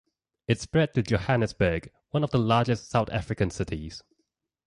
It spread to Johannesburg, one of the largest South African cities.